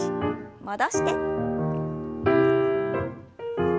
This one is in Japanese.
戻して。